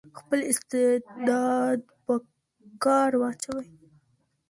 خپل استعداد په کار واچوئ.